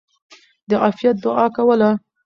د عافيت دعاء کوله!!.